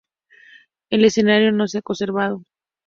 El escenario no se ha conservado.